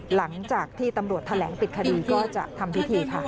หลังจากที่ตำรวจแถลงปิดคดีก็จะทำพิธีค่ะ